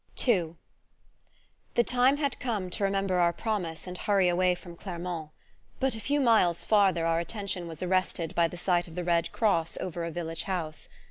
II The time had come to remember our promise and hurry away from Clermont; but a few miles farther our attention was arrested by the sight of the Red Cross over a village house.